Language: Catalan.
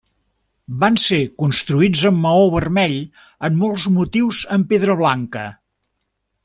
Van ser construïts en maó vermell amb molts motius en pedra blanca.